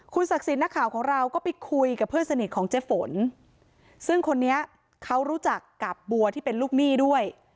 ศักดิ์สิทธิ์นักข่าวของเราก็ไปคุยกับเพื่อนสนิทของเจ๊ฝนซึ่งคนนี้เขารู้จักกับบัวที่เป็นลูกหนี้ด้วย